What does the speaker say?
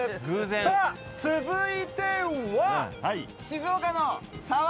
さあ、続いては。